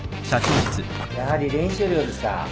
やはり練習量ですか。